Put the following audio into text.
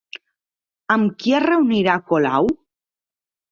Amb qui es reunirà Colau?